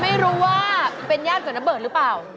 ไม่รู้ว่าเป็นญาติกับนเบิร์ตหรือเปล่า